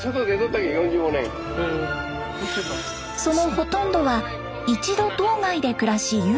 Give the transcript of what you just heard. そのほとんどは一度島外で暮らしＵ